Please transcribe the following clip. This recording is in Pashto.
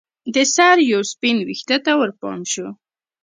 د سر یوه سپین ویښته ته ورپام شو